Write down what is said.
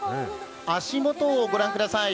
足元をご覧ください。